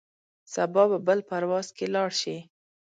سبا به بل پرواز کې لاړ شې.